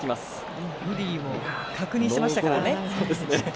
レフェリーも確認していましたからね。